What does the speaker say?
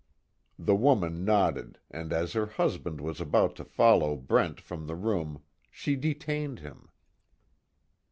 The woman nodded and as her husband was about to follow Brent from the room she detained him.